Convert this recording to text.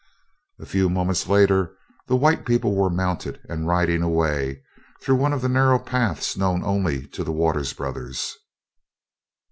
A few moments later, the white people were mounted and riding away through one of the narrow paths known only to the Waters brothers.